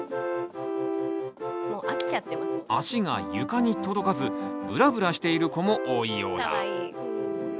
足が床に届かずぶらぶらしている子も多いようだ。